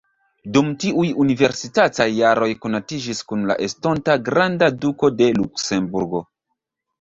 Dum tiuj universitataj jaroj konatiĝis kun la estonta granda duko de Luksemburgo.